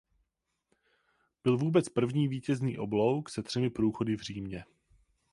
Byl vůbec první vítězný oblouk se třemi průchody v Římě.